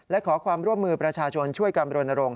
และขอความร่วมมือประชาชนช่วยกันบรณรงค